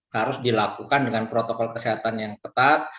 harus dilakukan dengan protokol kesehatan yang ketat